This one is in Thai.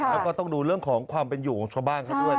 แล้วก็ต้องดูเรื่องของความเป็นอยู่ของชาวบ้านเขาด้วย